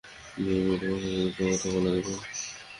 মেই-মেই, তোমার সাথে দুটো কথা বলা যাবে?